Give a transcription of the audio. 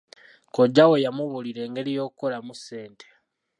Kojja we yamubuulira engeri y'okukolamu ssente.